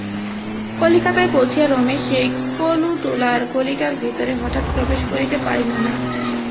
কলিকাতায় পৌঁছিয়া রমেশ সেই কলুটোলার গলিটার ভিতরে হঠাৎ প্রবেশ করিতে পারিল না।